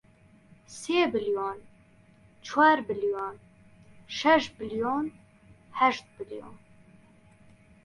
سێ بلیۆن، چوار بلیۆن، شەش بلیۆن، هەشت بلیۆن